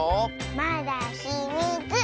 まだひみつ！